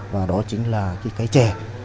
và đó chính là cây trè